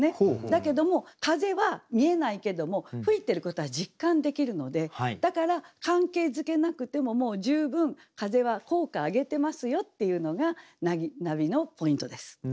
だけども風は見えないけども吹いてることは実感できるのでだから関係づけなくても十分風は効果上げてますよっていうのがナビのポイントです。